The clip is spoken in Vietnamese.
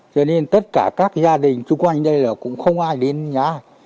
cho nên tất cả các gia đình chung quanh đây là cũng không ai đến nhà